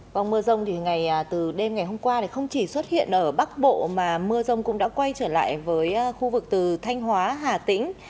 vâng mưa rông thì từ đêm ngày hôm qua không chỉ xuất hiện ở bắc bộ mà mưa rông cũng đã quay trở lại với khu vực từ thanh hóa hà tĩnh